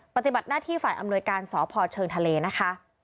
ปฏิบัติหน้าที่ฝ่ายอำนวยการสพเชิงทะเลนะคะ